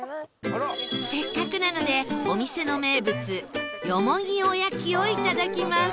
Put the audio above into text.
せっかくなのでお店の名物よもぎおやきをいただきます